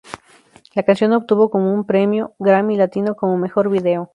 La canción obtuvo con un Premio Grammy Latino como Mejor Vídeo.